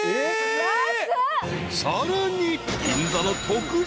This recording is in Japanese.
［さらに］